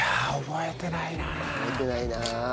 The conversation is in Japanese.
覚えてないなあ。